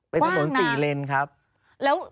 เป็นถนนสี่เลนครับว่างมากแล้ว